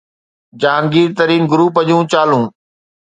Jahangir Tareen group جون چالون